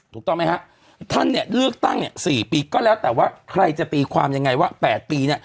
ถูกต้องไหมครับท่านเลือกตั้ง๔ปีก็แล้วแต่ว่าใครจะปีความยังไงว่า๘ปี